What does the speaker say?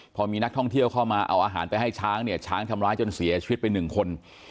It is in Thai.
พอมีนักท่องเที่ยวเข้ามาเอาอาหารไปให้ช้างเนี่ยช้างทำร้ายจนเสียชีวิตไปหนึ่งคน